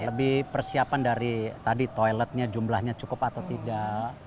lebih persiapan dari tadi toiletnya jumlahnya cukup atau tidak